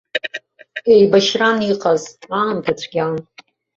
Еибашьран иҟаз, аамҭа цәгьан.